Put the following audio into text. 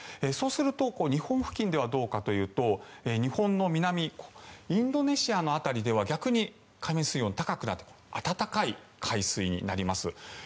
そうすると日本付近ではどうかというと日本の南インドネシアの辺りでは逆に海面水温が高くなって暖かい海水になります。